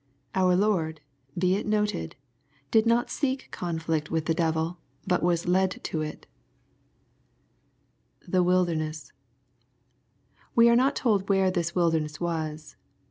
Our Lord, be it noted, did not seek conflict with the devil, but was '^ led" to it [the wHdemesB.] We are not told where this wilderness was.